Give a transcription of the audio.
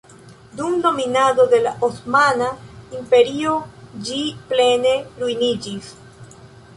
Dum dominado de la Osmana Imperio ĝi plene ruiniĝis.